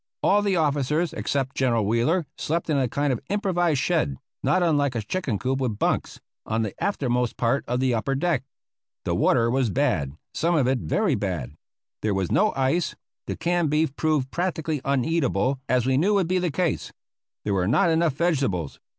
All the officers except General Wheeler slept in a kind of improvised shed, not unlike a chicken coop with bunks, on the aftermost part of the upper deck. The water was bad some of it very bad. There was no ice. The canned beef proved practically uneatable, as we knew would be the case. There were not enough vegetables.